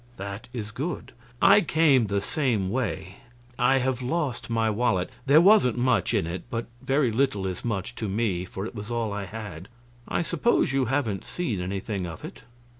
"That is good. I came the same way. I have lost my wallet. There wasn't much in it, but a very little is much to me, for it was all I had. I suppose you haven't seen anything of it?"